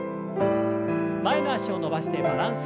前の脚を伸ばしてバランス。